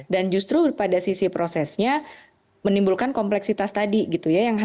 dan justru pada sisi prosesnya menimbulkan kompleksitas tadi gitu ya